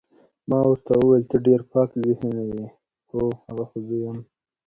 ما ورته وویل ته ډېر پاک ذهنه یې، هو، هغه خو زه یم.